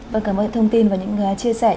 vâng cảm ơn thông tin và những chia sẻ